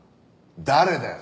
誰だよ？